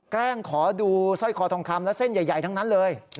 แกล้งขอดูสร้อยคอทองคำและเส้นใหญ่ทั้งนั้นเลย